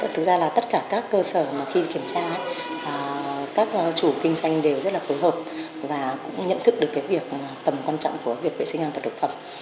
thực ra là tất cả các cơ sở mà khi kiểm tra các chủ kinh doanh đều rất là phối hợp và cũng nhận thức được cái việc tầm quan trọng của việc vệ sinh an toàn thực phẩm